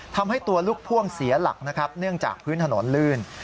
ทำให้ตัวลูกพ่วงเสียหลักนะครับเนื่องจากพื้นถนนลื่น